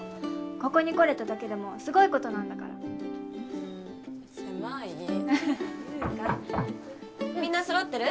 ここにこれただけでもすごいことなんだからうん狭いみんなそろってる？